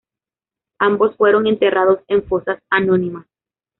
Ambos fueron enterrados en fosas anónimas.